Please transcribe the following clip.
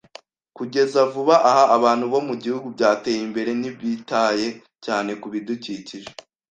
Kugeza vuba aha, abantu bo mubihugu byateye imbere ntibitaye cyane kubidukikije.